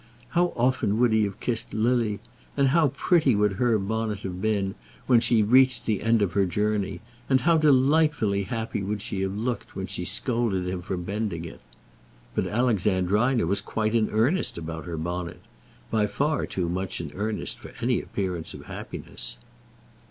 How often would he have kissed Lily, and how pretty would her bonnet have been when she reached the end of her journey, and how delightfully happy would she have looked when she scolded him for bending it! But Alexandrina was quite in earnest about her bonnet; by far too much in earnest for any appearance of happiness.